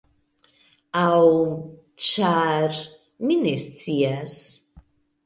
Aŭ… ĉar… mi ne scias.